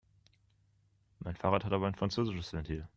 Mein Fahrrad hat aber ein französisches Ventil.